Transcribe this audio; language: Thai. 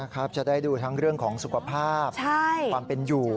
จะได้ดูทั้งเรื่องของสุขภาพความเป็นอยู่